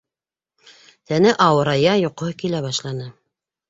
Тәне ауырая, йоҡоһо килә башланы.